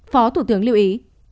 phó thủ tướng lưu ý